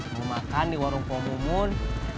mau makan di warung poh mumbun